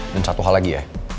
dan satu hal lagi ya